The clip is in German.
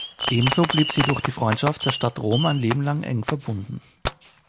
Ebenso blieb sie durch die Freundschaft der Stadt Rom ein Leben lang eng verbunden.